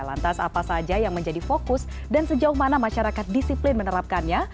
lantas apa saja yang menjadi fokus dan sejauh mana masyarakat disiplin menerapkannya